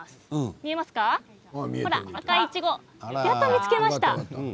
見えました、赤いいちごやっと見つけました。